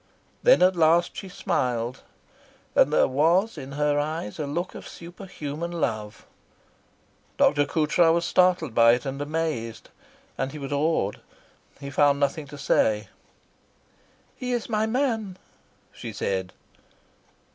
Then at last she smiled, and there was in her eyes a look of superhuman love. Dr. Coutras was startled by it, and amazed. And he was awed. He found nothing to say. "He is my man," she said.